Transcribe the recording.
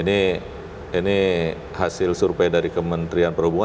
ini hasil survei dari kementerian perhubungan